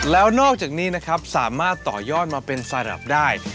แล้วนอกจากนี้นะครับสามารถต่อยอดมาเป็นสรับได้